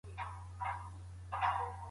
مسلمانان نه سي کولای پر ذمي ظلم وکړي.